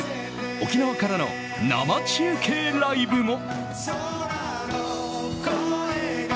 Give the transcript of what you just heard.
沖縄からの生中継ライブも。